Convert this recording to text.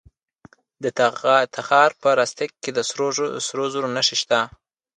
د تخار په رستاق کې د سرو زرو نښې شته.